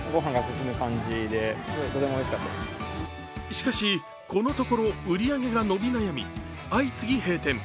しかし、このところ売り上げが伸び悩み相次ぎ閉店。